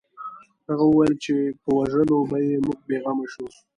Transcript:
هغه وویل چې په وژلو به یې موږ بې غمه شو